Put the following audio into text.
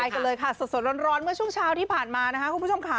กันเลยค่ะสดร้อนเมื่อช่วงเช้าที่ผ่านมานะคะคุณผู้ชมค่ะ